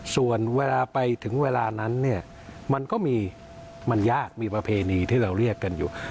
ส่วนเวลาไปถึงเวลานั้นเนี่ยมันก็มีมันยากมีประเพณีที่เราเรียกกันอยู่